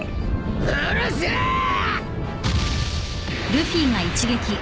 うるせえー！